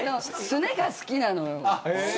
すねが好きなのよ。